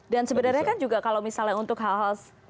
dan sebenarnya juga kalau misalnya untuk hal hal